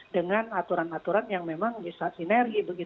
dengan aturan aturan yang memang bisa sinergi